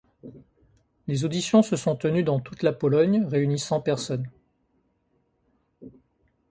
Les auditions se sont tenues dans toute la Pologne, réunissant personnes.